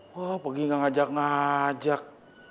wah pergi gak ngajak ngajak